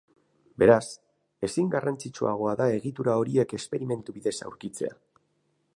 Beraz, ezin garrantzitsuagoa da egitura horiek esperimentu bidez aurkitzea.